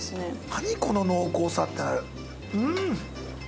何⁉この濃厚さって。